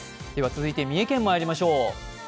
続いて三重県まいりましょう。